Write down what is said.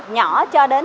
nhỏ cho đến